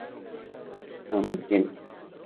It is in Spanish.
San Martín".